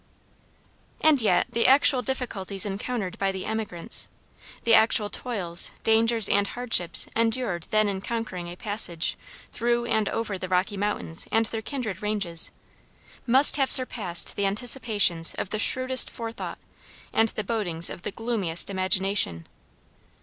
And yet the actual difficulties encountered by the emigrants, the actual toils, dangers, and hardships endured then in conquering a passage through and over the Rocky Mountains and their kindred ranges, must have surpassed the anticipations of the shrewdest forethought, and the bodings of the gloomiest imagination.